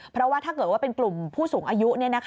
เพราะว่าถ้าเกิดว่าเป็นกลุ่มผู้สูงอายุ